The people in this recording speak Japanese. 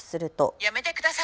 やめてください。